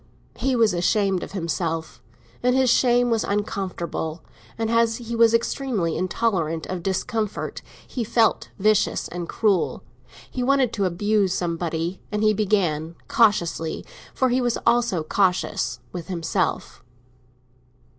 He was ashamed of himself, and his shame was uncomfortable; and as he was extremely intolerant of discomfort, he felt vicious and cruel. He wanted to abuse somebody, and he began, cautiously—for he was always cautious—with himself.